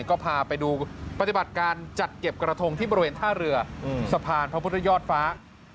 ก็พาไปดูปฏิบัติการจัดเก็บกระทงที่บริเวณท่าเรือสะพานพระพุทธยอดฟ้า